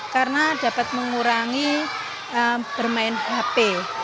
karena dapat mengurangi bermain hp